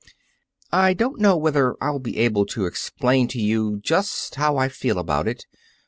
"I don't know whether I'll be able to explain to you just how I feel about it.